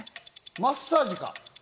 マッサージか。